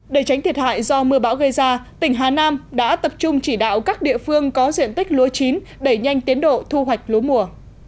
để tránh thiệt hại do mưa bão gây ra tỉnh hà nam đã tập trung chỉ đạo các địa phương có diện tích lúa chín đẩy nhanh tiến độ thu hoạch lúa mùa